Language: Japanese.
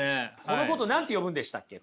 このことを何て呼ぶんでしたっけ？